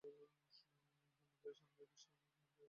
এই মন্দিরের সামনেই বিশ্বনাথ মন্দিরের অবস্থান।